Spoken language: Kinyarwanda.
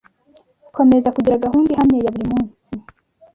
Komeza kugira gahunda ihamye ya buri munsi